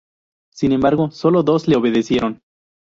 Sin embargo, sólo dos le obedecieron.